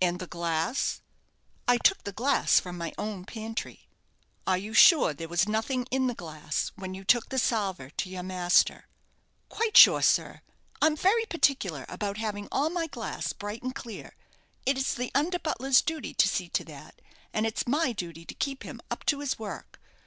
"And the glass?" "I took the glass from my own pantry." "Are you sure that there was nothing in the glass when you took the salver to you master?" "Quite sure, sir. I'm very particular about having all my glass bright and clear it's the under butler's duty to see to that, and it's my duty to keep him up to his work.